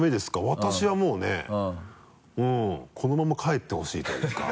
私はもうねこのまま帰ってほしいというか。